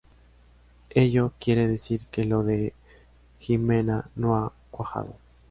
Ello, quiere decir que lo de Gimena no ha cuajado?